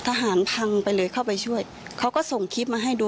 ความรักที่เขาจะไม่ยอมกลับกลับ